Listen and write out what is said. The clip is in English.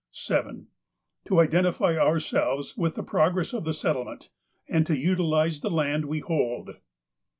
" 7. To identify ourselves with the progress of the settle ment, and to utilize the land we hold.